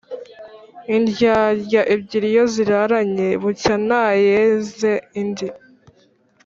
indyarya ebyiri iyo ziraranye bucya ntayenze indi